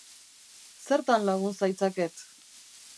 Zertan lagun zaitzaket?